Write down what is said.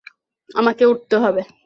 আমাকে উঠতে হবে।